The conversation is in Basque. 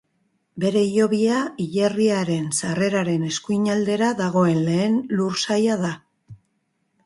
Bere hilobia hilerriaren sarreraren eskuinaldera dagoen lehen lursaila da.